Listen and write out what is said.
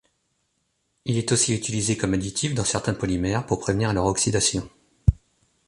Il est aussi utilisé comme additif dans certains polymères pour prévenir leur oxydation.